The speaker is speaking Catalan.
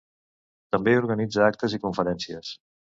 També organitza actes i conferències.